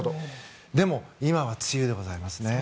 でも、今は梅雨でございますね。